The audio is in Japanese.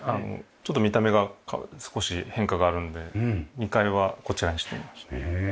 ちょっと見た目が少し変化があるので２階はこちらにしてみました。